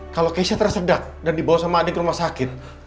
kalau keisha tersedak dan dibawa sama adik rumah sakit